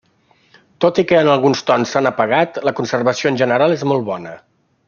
Tot i que alguns tons s'han apagat, la conservació en general és molt bona.